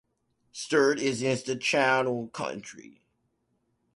Sturt is in the Channel Country.